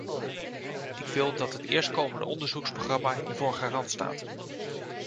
Ik wil dat het eerstkomende onderzoeksprogramma hiervoor garant staat.